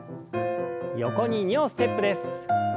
横に２歩ステップです。